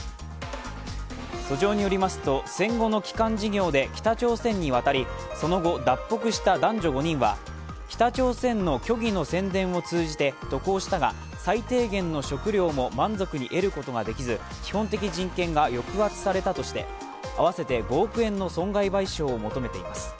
訴状によりますと戦後の帰還事業で北朝鮮に渡りその後、脱北した男女５人は北朝鮮の虚偽の宣伝を通じて渡航したが、最低限の食料も満足に得ることができず基本的人権が抑圧されたとして合わせて５億円の損害賠償を求めています。